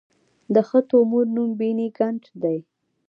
د ښه تومور نوم بېنیګنټ دی.